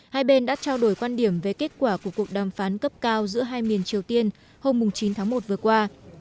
hai bên đã trao đổi quan điểm về kết quả của cuộc đàm phán cấp cao giữa hai miền triều tiên hôm chín tháng một vừa qua